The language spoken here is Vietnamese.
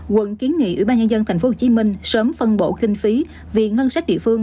quận kiến nghị ủy ban nhân dân tp hcm sớm phân bổ kinh phí vì ngân sách địa phương